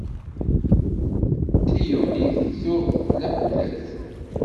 Tiγyulit tuγ lakulat.